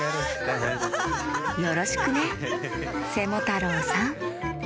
よろしくねセモタロウさん！